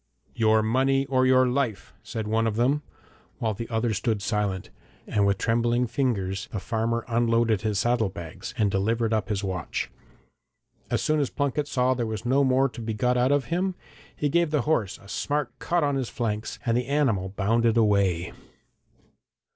'Your money or your life,' said one of them, while the other stood silent; and with trembling fingers the farmer unloaded his saddle bags, and delivered up his watch. As soon as Plunket saw there was no more to be got out of him, he gave the horse a smart cut on his flanks, and the animal bounded away.